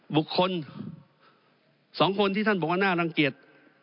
บุคคล๒คนที่ท่านบอกว่าน่ารังเกียจ